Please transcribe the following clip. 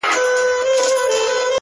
او ستا اوښکي د زم زم څو مرغلري _